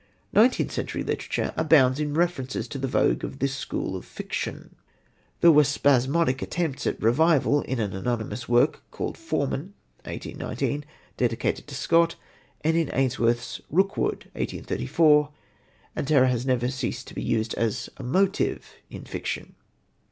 Nineteenth century literature abounds in references to the vogue of this school of fiction. There were spasmodic attempts at a revival in an anonymous work called Forman (1819), dedicated to Scott, and in Ainsworth's Rookwood (1834); and terror has never ceased to be used as a motive in fiction.